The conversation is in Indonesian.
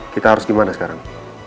kita harus gimana sekarang